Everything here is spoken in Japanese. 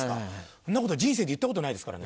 そんなこと人生で言ったことないですからね。